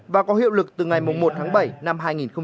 và có hiệu lực từ ngày một tháng bảy năm hai nghìn một mươi chín